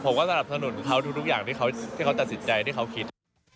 ผมก็สนับสนุนเขาทุกอย่างที่เขาตัดสินใจที่เขาคิด